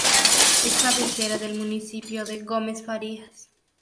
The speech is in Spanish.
Es cabecera del municipio de Gómez Farías.